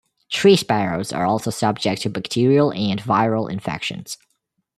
Tree sparrows are also subject to bacterial and viral infections.